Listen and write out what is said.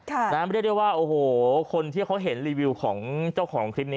เรียกได้ว่าโอ้โหคนที่เขาเห็นรีวิวของเจ้าของคลิปนี้